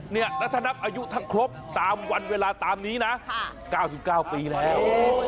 นี่นัทนับอายุถ้าครบตามวันเวลาตามนี้นะ๙๙ปีแล้ว